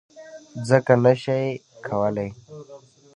څکه نه شي کولی.